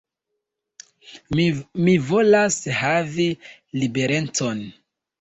Mi volas havi liberecon.